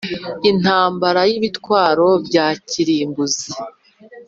Intambara y ibitwaro bya kirimbuzi